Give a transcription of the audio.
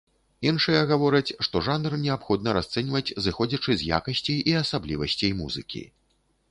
Іншыя гавораць, што жанр неабходна расцэньваць, зыходзячы з якасцей і асаблівасцей музыкі.